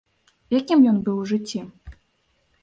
Якім ён быў у жыцці?